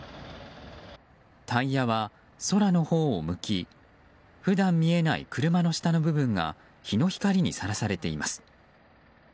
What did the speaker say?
タイヤは空のほうを向き普段見えない車の下の部分が日の光にさらされています。